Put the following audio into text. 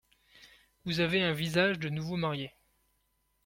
Vous avez un visage de nouveau marié.